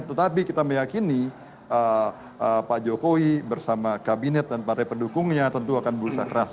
tetapi kita meyakini pak jokowi bersama kabinet dan partai pendukungnya tentu akan berusaha keras